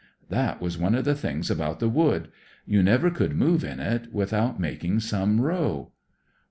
" That was one of the things about the Wood; you never could move in it without making some row."